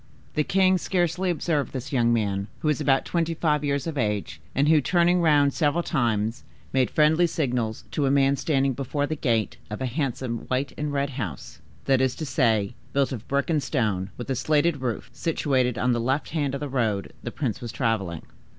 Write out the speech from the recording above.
The king scarcely observed this young man, who was about twenty five years of age, and who, turning round several times, made friendly signals to a man standing before the gate of a handsome white and red house; that is to say, built of brick and stone, with a slated roof, situated on the left hand of the road the prince was traveling.